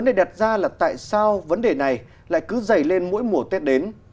để đặt ra tại sao vấn đề này lại cứ dày lên mỗi mùa tết đến